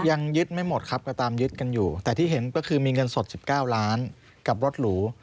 ยังยึดไม่หมดครับก็ตามยึดกันอยู่แต่ที่เห็นก็คือมีเงินสด๑๙ล้านกับรถหรู